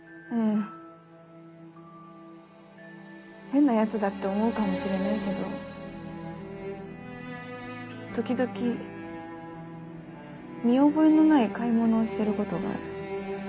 変なヤツだって思うかもしれないけど時々見覚えのない買い物をしてることがある。